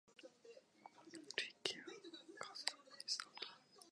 古池や蛙飛び込む水の音